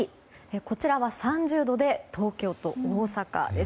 こちらは３０度で東京と大阪です。